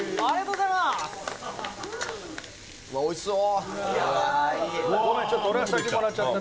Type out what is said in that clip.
千賀：おいしそう。